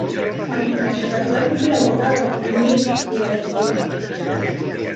"Em coneixeràs la propera vegada, amic", li vaig dir.